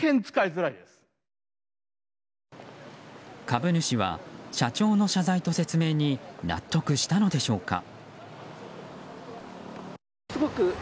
株主は社長の謝罪と説明に納得したのでしょうか。